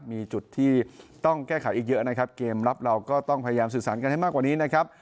มีจุดที่ต้องแก้ไขอีกเยอะนะครับเกมรับเราก็ต้องพยายามสื่อสารกันให้มากกว่านี้นะครับ